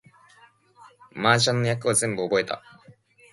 麻雀の役を全部覚えた